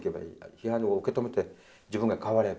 批判を受け止めて自分が変わればいい。